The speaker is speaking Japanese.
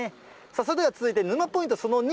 それでは続いて、沼ポイント